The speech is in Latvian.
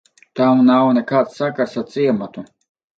Tam nav nekāds sakars ar ciematu.